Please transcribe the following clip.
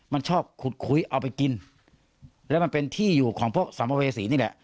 มันชอบขุดคุยเอาไปกินแล้วมันเป็นที่อยู่ของพวกสัมภเวษีนี่แหละ